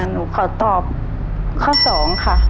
หนูขอตอบข้อ๒ค่ะ